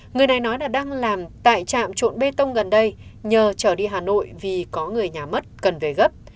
người này nói là đang làm tại trạm trộn bê tông gần đây nhờ trở đi hà nội vì có người nhà mất cần về gấp